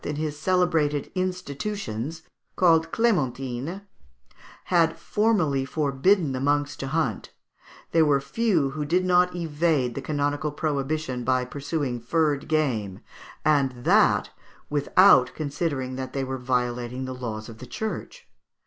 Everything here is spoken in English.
in his celebrated "Institutions," called "Clémentines," had formally forbidden the monks to hunt, there were few who did not evade the canonical prohibition by pursuing furred game, and that without considering that they were violating the laws of the Church.